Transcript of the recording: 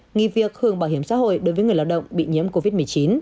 nghỉ việc hưởng bảo hiểm xã hội đối với người lao động bị nhiễm covid một mươi chín